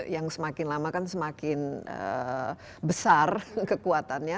yang semakin lama kan semakin besar kekuatannya